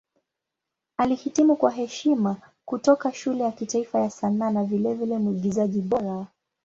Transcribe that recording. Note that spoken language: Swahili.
Alihitimu kwa heshima kutoka Shule ya Kitaifa ya Sanaa na vilevile Mwigizaji Bora.